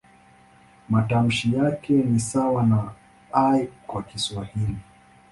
Matamshi yake ni sawa na "i" kwa Kiswahili.